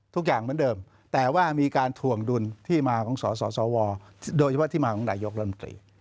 ทุกอย่างเหมือนเดิมแต่ว่ามีการถ่วงดุลที่มาของสสวโดยเฉพาะที่มาของนายกรัฐมนตรี